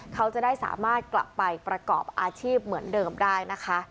เขาจะได้สามารถกลับไปประกอบอาชีพเหมือนเดิมได้นะคะ